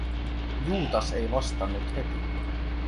Juutas ei vastannut heti.